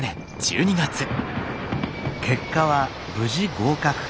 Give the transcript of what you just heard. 結果は無事合格。